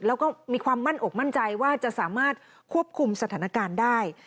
แล้วก็มีความมั่นอกมั่นใจว่าจะสามารถควบคุมสถานการณ์ได้